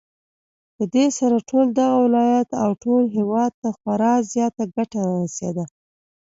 پدې سره ټول دغه ولايت او ټول هېواد ته خورا زياته گټه ورسېده